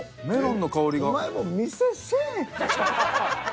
メロンの香りが。